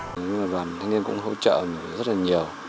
nhưng mà đoàn thanh niên cũng hỗ trợ mình rất là nhiều